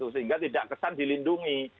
sehingga tidak kesan dilindungi